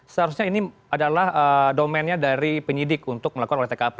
seharusnya ini adalah domennya dari penyidik untuk melakukan oleh tkp